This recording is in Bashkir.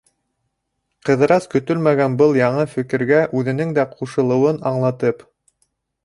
Ҡыҙырас, көтөлмәгән был яңы фекергә үҙенең дә ҡушылыуын аңлатып: